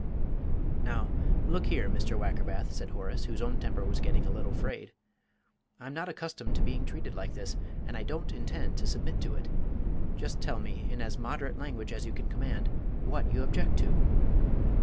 "Now look here, Mr. Wackerbath," said Horace, whose own temper was getting a little frayed. "I'm not accustomed to being treated like this, and I don't intend to submit to it. Just tell me in as moderate language as you can command what you object to?"